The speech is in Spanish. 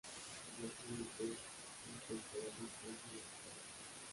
Al día siguiente, un temporal dispersa la escuadra.